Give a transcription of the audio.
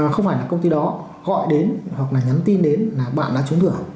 không phải là công ty đó họ đến hoặc là nhắn tin đến là bạn đã trúng thưởng